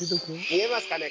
見えますかね？